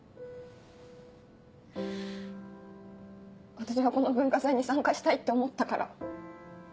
私がこの文化祭に参加したいって思ったから。